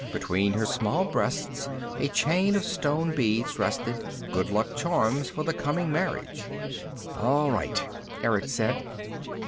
Between her small breasts a chain of stone beads rested, good luck charms for the coming marriage. "All right," Erick said.